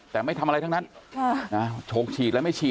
แต่ไม่ทำอะไรทั้งนั้นโฉกฉีดแล้วไม่ฉีด